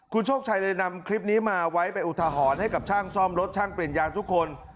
คุณโชคชัยเลยนำคลิปนี้มาไว้ไปอุทหรณ์ให้กับช่างซ่อมรถช่างเปลี่ยนยางทุกคน